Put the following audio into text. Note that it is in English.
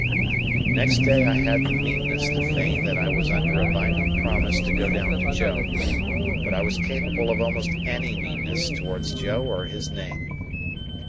Next day I had the meanness to feign that I was under a binding promise to go down to Joe; but I was capable of almost any meanness towards Joe or his name.